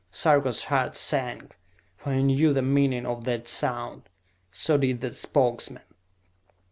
Sarka's heart sank, for he knew the meaning of that sound. So did the Spokesmen.